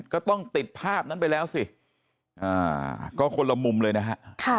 ก็ต้องติดภาพนั้นไปแล้วสิก็คนละมุมเลยนะฮะ